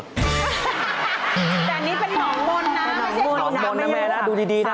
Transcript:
แต่อันนี้เป็นหนองมนตร์นะไม่ใช่สวดมนตร์ไม่ใช่สวดมนตร์